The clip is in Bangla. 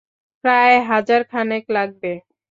প্রায় হাজার খানেক লাগবে।